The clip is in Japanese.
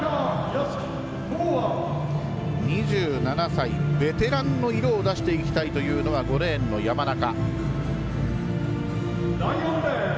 ２７歳ベテランの色を出していきたいというのが５レーンの山中。